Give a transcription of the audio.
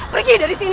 pergi dari sini